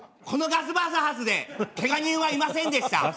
このガスばすはつでケガ人はいませんでした。